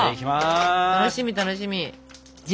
楽しみ楽しみ！